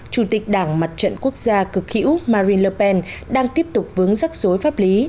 chủ tịch đảng mặt trận quốc gia cực hữu marine lpen đang tiếp tục vướng rắc rối pháp lý